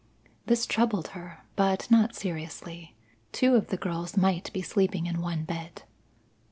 This troubled her, but not seriously. Two of the girls might be sleeping in one bed.